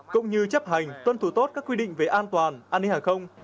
cũng như chấp hành tuân thủ tốt các quy định về an toàn an ninh hàng không